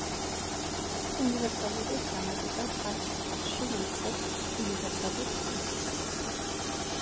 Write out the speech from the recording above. უნივერსალური გრამატიკა თავის თავში მოიცავს უნივერსალურ პრინციპებს.